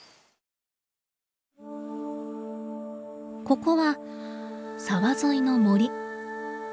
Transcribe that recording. ここは沢沿いの森。